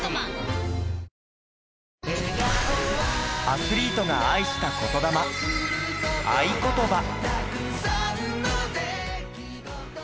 アスリートが愛した言魂『愛ことば』。